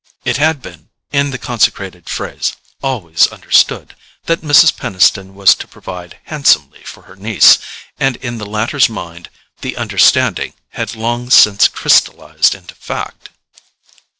It had been, in the consecrated phrase, "always understood" that Mrs. Peniston was to provide handsomely for her niece; and in the latter's mind the understanding had long since crystallized into fact.